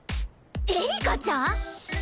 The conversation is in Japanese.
エリカちゃん！？